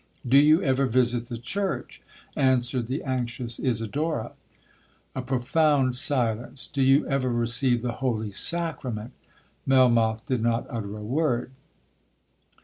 '—'Do you ever visit the church,' answered the anxious Isidora. A profound silence.—'Do you ever receive the Holy Sacrament?'—Melmoth did not utter a word.